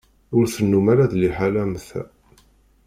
Ur tennum ara d liḥala am ta.